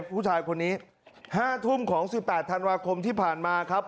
ผู้ชายคนนี้๕ทุ่มของ๑๘ธันวาคมที่ผ่านมาครับ